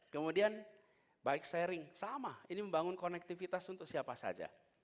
kemudian bike sharing sama ini membangun konektivitas untuk siapa saja